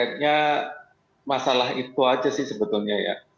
tentunya masalah itu saja sih sebetulnya ya